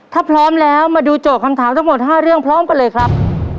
ถ้าพร้อมแล้วมาดูโจทย์คำถามทั้งหมด๕เรื่องพร้อมกันเลยครับ